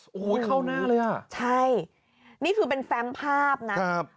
โอ้โหเข้าหน้าเลยอ่ะใช่นี่คือเป็นแฟมภาพนะครับ